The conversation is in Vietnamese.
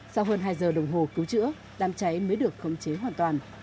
sau hơn hai giờ đồng hồ cứu chữa đám cháy mới được khống chế hoàn toàn